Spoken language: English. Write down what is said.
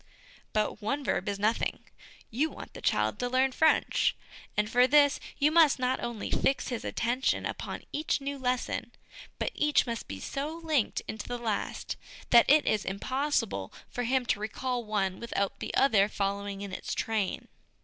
But one verb is nothing ; you want the child to learn French, and for this you must not only fix his attention upon each new lesson, but each must be so linked into the last that it is impossible for him to recall one without the other following in its train.